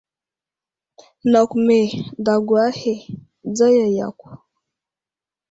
Nakw me dagwa aghe dzaya yakw.